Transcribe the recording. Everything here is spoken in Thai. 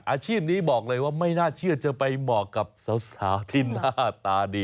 อาชีพนี้บอกเลยว่าไม่น่าเชื่อจะไปเหมาะกับสาวที่หน้าตาดี